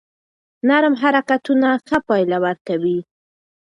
نرم حرکتونه ښه پایله ورکوي.